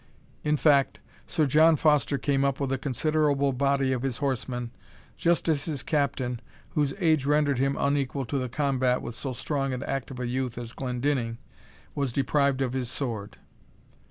In fact, Sir John Foster came up with a considerable body of his horsemen, just as his Captain, whose age rendered him unequal to the combat with so strong and active a youth as Glendinning, was deprived of his sword.